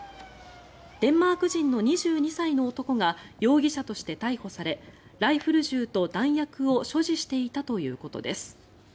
デンマーク人の２２歳の男が容疑者として逮捕されライフル銃と弾薬を所持していたということです。